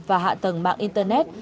và hạ tầng mạng internet